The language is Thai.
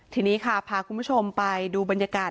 ทีนี้ค่ะพาคุณผู้ชมไปดูบรรยากาศ